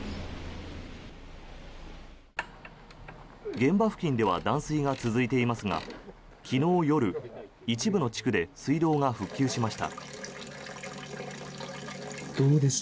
現場付近では断水が続いていますが昨日夜一部の地区で水道が復旧しました。